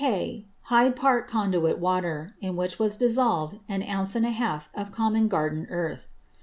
(K.) Hyde Park Conduit water, in which was dissolved an Ounce and half of Common Garden earth.